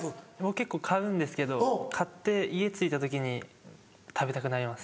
結構買うんですけど買って家着いた時に食べたくなります。